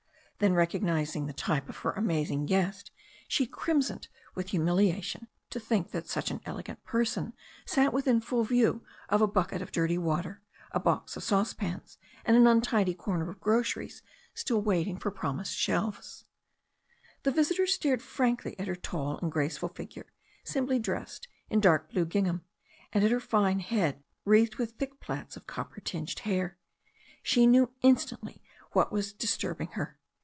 Then, recognizing the type of her amazing guest, she crimsoned with humiliation to think that such an elegant person sat within full view of a bucket of dirty THE STORY OF A NEW ZEALAND RIVER 33 water, a box of saucepans, and an untidy corner of gro ceries, still waiting for promised shelves. The visitor stared frankly at her tall and graceful figure, simply dressed in dark blue gingham, and at her fine head wreathed with thick plaits of copper tinged hair. She knew instantly what was disturbing her.